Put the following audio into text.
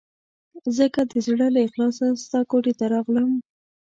ځکه د زړه له اخلاصه ستا کوټې ته راغلم.